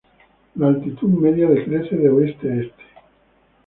La altitud media decrece de oeste a este.